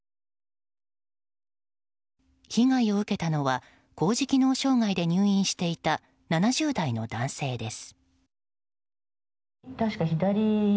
被害を受けたのは高次機能障害で入院していた７０代の男性です。